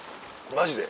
マジで？